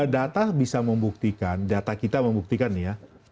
data bisa membuktikan data kita membuktikan nih ya